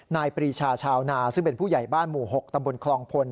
ปรีชาชาวนาซึ่งเป็นผู้ใหญ่บ้านหมู่๖ตำบลคลองพล